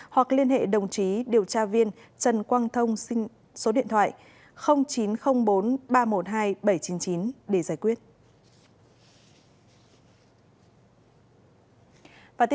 hoặc liên hệ đồng chí điều tra viên trần quang thông xin số điện thoại chín trăm linh bốn ba trăm một mươi hai bảy trăm chín mươi chín để giải quyết